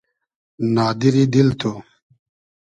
نادیری دیل تو